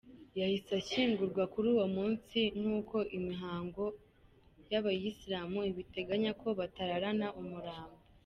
Yahise ashyingurwa kuri uwo munsi nk’uko imihango y’Abayisilamu ibiteganya ko batararana umurambo.